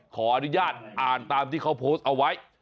ขออนุญาตอ่านตามที่เขาโพสต์เอาไว้